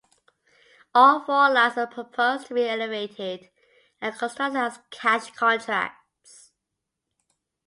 All four lines are proposed to be elevated and constructed as cash contracts.